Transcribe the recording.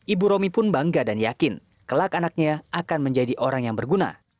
ibu romi pun bangga dan yakin kelak anaknya akan menjadi orang yang berguna